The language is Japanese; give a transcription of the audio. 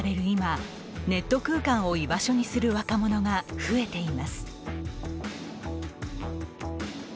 今ネット空間を居場所にする若者が増えています。